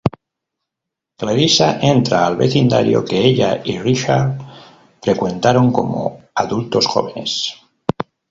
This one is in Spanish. Clarissa entra al vecindario que ella y Richard frecuentaron como adultos jóvenes.